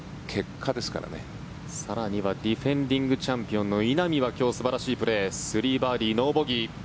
更にはディフェンディングチャンピオンの稲見は今日、素晴らしいプレー３バーディー、ノーボギー。